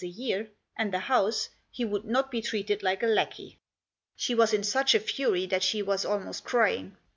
a year, and a house, he would not be treated like a lackey. She was in such a fury that she was almost crying.